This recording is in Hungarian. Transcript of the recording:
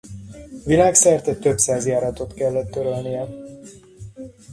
Világszerte több száz járatot kellett törölnie.